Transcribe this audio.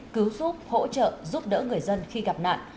cứu giúp hỗ trợ giúp đỡ người dân khi gặp nạn